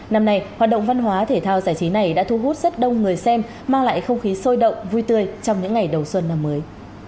năm nay hoạt động văn hóa thể thao giải trí này đã thu hút rất đông người xem mang lại không khí sôi động vui tươi trong những ngày đầu xuân năm mới